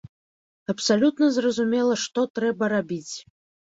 Абсалютна зразумела, што трэба рабіць.